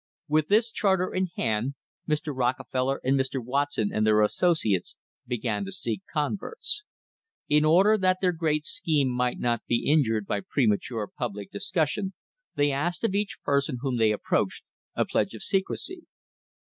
With this charter in hand Mr. Rockefeller and Mr. Watson and their associates began to seek converts. In order that their great scheme might not be injured by premature public dis cussion they asked of each person whom they approached a pledge of secrecy.